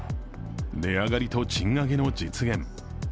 値上がりと賃上げの実現。